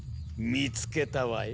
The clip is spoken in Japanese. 見つけたわよ。